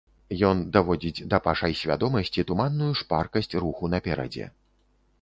Ён даводзіць да пашай свядомасці туманную шпаркасць руху наперадзе.